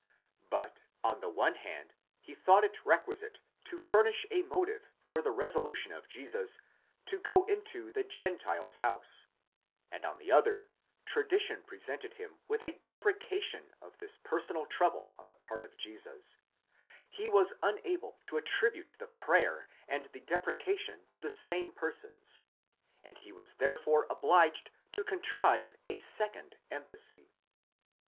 But on the one hand, he thought it requisite to furnish a motive for the resolution of Jesus to go into the Gen tile's house ; and on the other, tradition presented him with a deprecation of this personal trouble on the part of Jesus: he was unable to attribute the prayer and the deprecation to the same persons, and he was therefore obliged to contrive a second embassy.